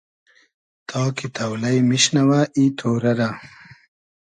تا کی تۆلݷ میشنئوۂ ای تۉرۂ رۂ